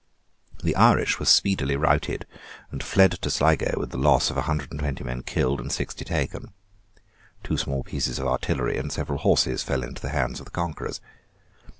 The Irish were speedily routed, and fled to Sligo with the loss of a hundred and twenty men killed and sixty taken. Two small pieces of artillery and several horses fell into the hands of the conquerors.